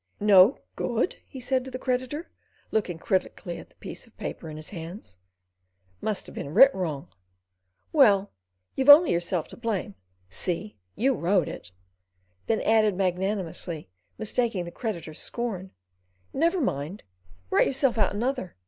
"No good?" he said to the creditor, looking critically at the piece of paper in his hands. "Must have been writ wrong. Well, you've only yourself to blame, seeing you wrote it"; then added magnanimously, mistaking the creditor's scorn: "Never mind, write yourself out another.